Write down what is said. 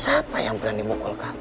siapa yang berani mukul kamu